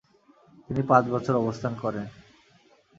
তিনি পাঁচ বছর অবস্থান করেন।